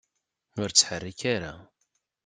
Ur ttḥerrik ara.